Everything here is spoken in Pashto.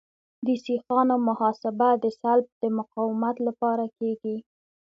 د سیخانو محاسبه د سلب د مقاومت لپاره کیږي